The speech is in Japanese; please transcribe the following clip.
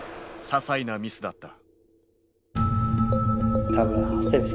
ささいなミスだった。